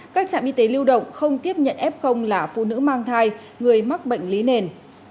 các trạm y tế lưu động không tiếp nhận f là phụ nữ mang thai người mắc bệnh lý nền